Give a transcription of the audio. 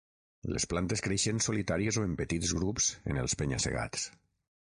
Les plantes creixen solitàries o en petits grups en els penya-segats.